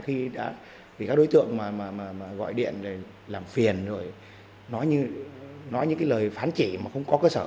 khi các đối tượng gọi điện làm phiền nói những lời phán chỉ mà không có cơ sở